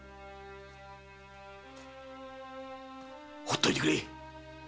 ほっといてくれ！